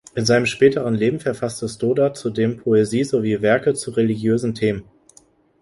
In seinem späteren Leben verfasste Stoddard zudem Poesie sowie Werke zu religiösen Themen.